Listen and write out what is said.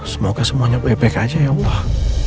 semoga semuanya baik baik aja ya wah